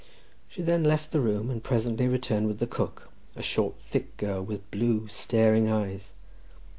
She then left the room, and presently returned with the cook, a short, thick girl, with blue, staring eyes.